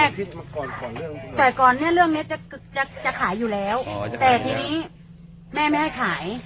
เมื่อก่อนเรื่องนี้จะขายอยู่แล้วแต่ทีนี้แม่ไม่ให้ขาย